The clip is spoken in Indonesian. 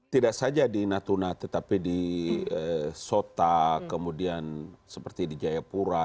tidak saja di natuna tetapi di sota kemudian seperti di jayapura